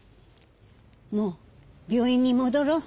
もう病院にもどろう。